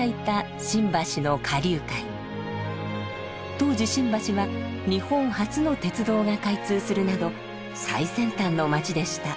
当時新橋は日本初の鉄道が開通するなど最先端の街でした。